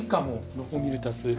ロフォミルタス。